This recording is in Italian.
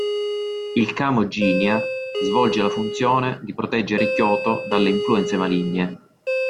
Il Kamo"-jinja" svolge la funzione di proteggere Kyoto dalle influenze maligne.